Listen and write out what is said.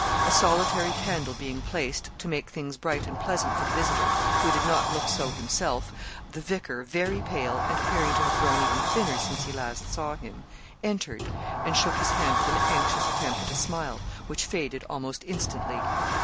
A solitary candle being placed, to make things bright and pleasant for the visitor, who did not look so himself, the vicar, very pale, and appearing to have grown even thinner since he last saw him, entered, and shook his hand with an anxious attempt at a smile, which faded almost instantly.